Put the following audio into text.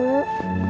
udah dimakan dulu